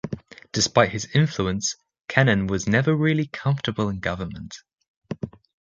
Despite his influence, Kennan was never really comfortable in government.